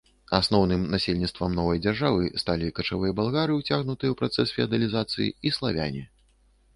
Асноўным насельніцтвам новай дзяржавы сталі качавыя балгары, уцягнутыя ў працэс феадалізацыі, і славяне.